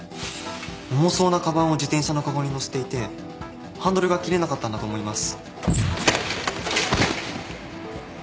重そうなかばんを自転車のかごに載せていてハンドルが切れなかったんだと思います。